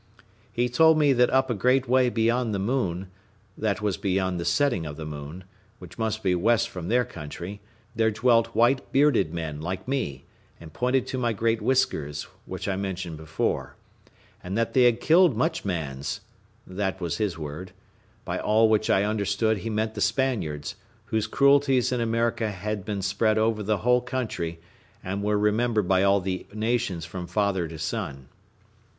He told me that up a great way beyond the moon, that was beyond the setting of the moon, which must be west from their country, there dwelt white bearded men, like me, and pointed to my great whiskers, which I mentioned before; and that they had killed much mans, that was his word: by all which I understood he meant the Spaniards, whose cruelties in America had been spread over the whole country, and were remembered by all the nations from father to son.